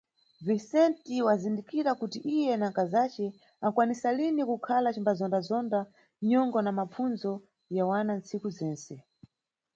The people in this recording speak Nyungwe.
Vicente wazindikira kuti iye na nkazace ankwanisalini kukhala acimbazondazonda nyongo na mapfundzo ya wana ntsiku zentse.